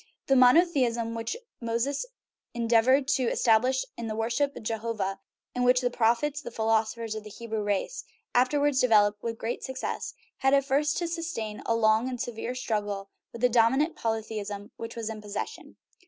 The monotheism which Moses endeavored to estab lish in the worship of Jehovah, and which the prophets the philosophers of the Hebrew race afterwards developed with great success, had at first to sustain a long and severe struggle with the dominant polythe ism which was in possession.